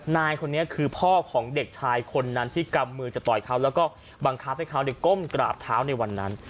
นายคนนี้คือพ่อของเด็กชายคนนั้นที่กำมือจะต่อยเขาแล้วก็บังคับให้เขาก้มกราบเท้าในวันนั้น